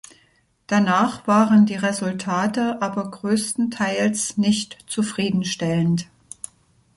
Danach waren die Resultate aber grösstenteils nicht zufriedenstellend.